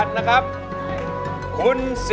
ร้องให้ร้องให้